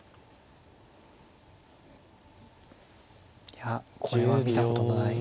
いやこれは見たことのない。